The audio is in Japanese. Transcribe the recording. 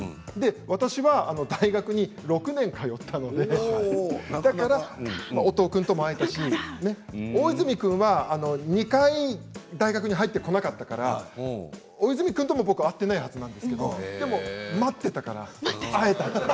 私は大学に６年通ったのでだから音尾琢真君とも会えたし大泉君は２回大学に入ってこなかったから大泉君とも僕は会っていないはずなんですけどでも会えたから。